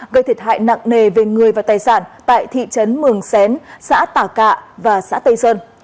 gây thiệt hại nặng nề về người và tài sản tại thị trấn mường xén xã tả cạ và xã tây sơn